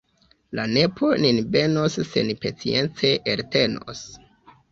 La nepoj nin benos se ni pacience eltenos!